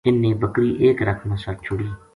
اِ ن نے بکری ایک رکھ ما سَٹ چھُڑی